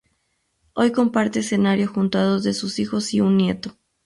Hoy comparte escenario junto a dos de sus hijos y un nieto.